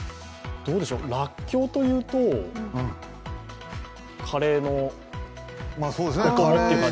らっきょうというと、カレーのお供って感じ。